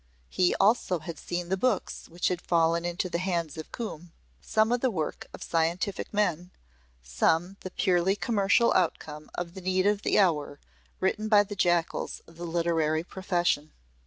He also had seen the books which had fallen into the hands of Coombe some the work of scientific men some the purely commercial outcome of the need of the hour written by the jackals of the literary profession.